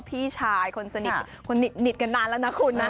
พี่ชายคนสนิทคนสนิทกันนานแล้วนะคุณนะ